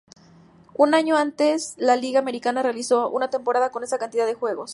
Un año antes la Liga Americana realizó una temporada con esa cantidad de juegos.